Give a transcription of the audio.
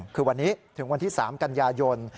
คือวันนี้ถึงวันที่๓กันยายน